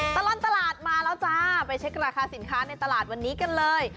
ตลอดตลาดมาแล้วจ้าไปเช็คราคาสินค้าในตลาดวันนี้กันเลย